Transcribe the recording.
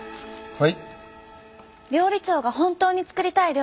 はい？